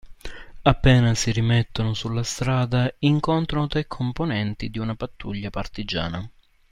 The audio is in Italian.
Appena si rimettono sulla strada incontrano tre componenti di una pattuglia partigiana.